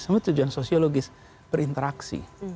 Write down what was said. sebenarnya tujuan sosiologis berinteraksi